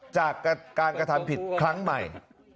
จากการกระทำผิดครั้งใหม่